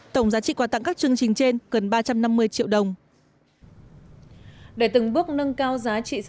tổng giá trị quà tặng các chương trình trên gần ba trăm năm mươi triệu đồng